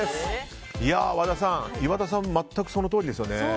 和田さん、岩田さん全くそのとおりですよね。